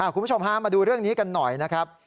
คุณผู้ชมฮะมาดูเรื่องนี้กันหน่อยนะครับ